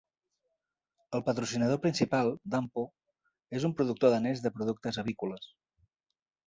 El patrocinador principal, Danpo, és un productor danès de productes avícoles.